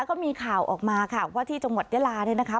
ก็มีข่าวออกมาค่ะว่าที่จังหวัดยาลาเนี่ยนะคะ